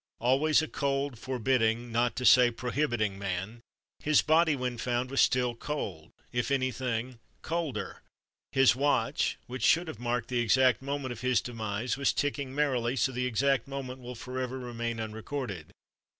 Always a cold, forbidding (not to say prohibiting) man, his body when found was still cold—if anything colder; his watch which should have marked the exact moment of his demise, was ticking merrily, so the exact moment will forever remain unrecorded.